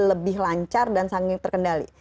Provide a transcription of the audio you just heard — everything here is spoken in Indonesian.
lebih lancar dan sangat terkendali